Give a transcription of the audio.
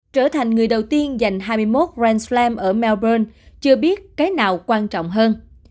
trở thành người đầu tiên giành hai mươi một ranslam ở melbourne chưa biết cái nào quan trọng hơn